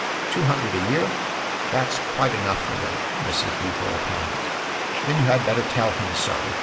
"Two hundred a year? That's quite enough for them !" Mrs. Beever opined. " Then you had better tell him so